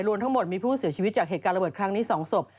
รวมทั้งหมดมีผู้เสียชีวิตจากเหตุการณ์ระเบิดครั้งนี้๒ศพ